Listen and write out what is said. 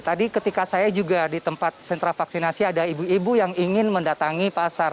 tadi ketika saya juga di tempat sentra vaksinasi ada ibu ibu yang ingin mendatangi pasar